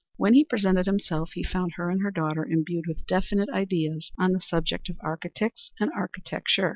When he presented himself he found her and her daughter imbued with definite ideas on the subject of architects and architecture.